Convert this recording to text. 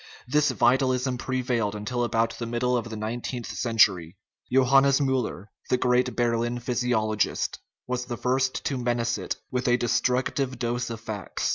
This vitalism prevailed until about the middle of the nineteenth century. Johannes Miiller, the great Berlin physiologist, was the first to menace it with a destructive dose of facts.